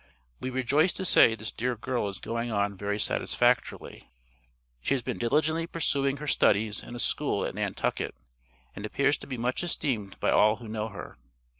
We rejoice to say this dear girl is going on very satisfactorily. She has been diligently pursuing her studies in a school at Nantucket, and appears to be much esteemed by all who know her.